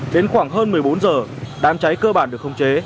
đến khoảng hơn một mươi bốn h đám cháy cơ bản được không chế